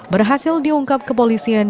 berhasil diungkap kepolisian